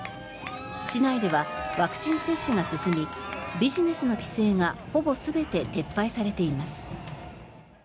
市内ではワクチン接種が進みビジネスの規制がほぼ全て撤廃されています。